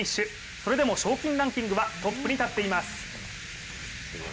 それでも賞金ランキングはトップに立っています。